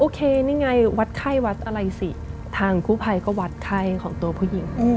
นี่ไงวัดไข้วัดอะไรสิทางกู้ภัยก็วัดไข้ของตัวผู้หญิง